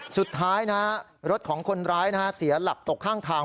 สุดท้ายนะรถของคนร้ายเสียหลักตกข้างทาง